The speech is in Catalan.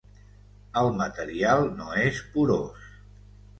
El material no és porós.